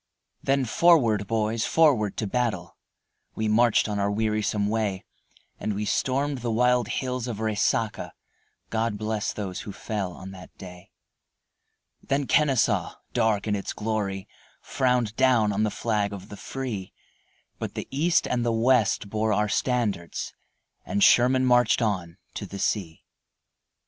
Then forward, boys, forward to battle, We marched on our wearisome way, And we stormed the wild hills of Resaca, God bless those who fell on that day Then Kenesaw, dark in its glory, Frowned down on the flag of the free, But the East and the West bore our standards, And Sherman marched on to the sea.